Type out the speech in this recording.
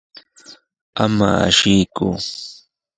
Ama asiyku.